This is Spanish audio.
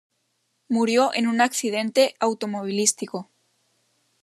Murió en un accidente automovilístico.